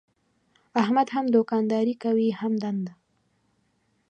احمد هم دوکانداري کوي هم دنده.